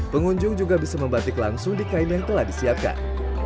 pengunjung juga bisa membatik langsung di kain yang telah disiapkan